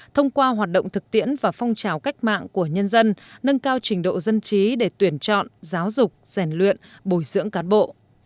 thông qua hoạt động thực tiễn và phong trào cách mạng của nhân dân nâng cao trình độ dân trí để tuyển chọn giáo dục rèn luyện bồi dưỡng cán bộ